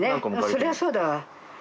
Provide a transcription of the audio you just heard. そりゃそうだわ。